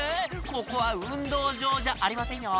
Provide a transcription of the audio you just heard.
ここは運動場じゃありませんよ